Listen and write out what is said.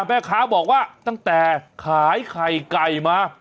แม่ค้าบอกว่าตั้งแต่ขายไข่ไก่มา